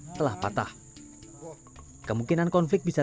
mereka harus mengambil beberapa vitamin dan obat tetes mata